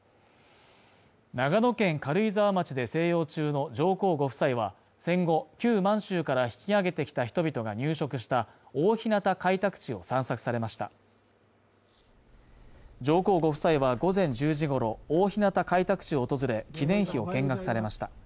長野県軽井沢町で静養中の上皇ご夫妻は戦後旧満州から引き揚げてきた人々が入植した大日向開拓地を散策されました上皇ご夫妻は午前１０時ごろ大日向開拓地を訪れ記念碑を見学されました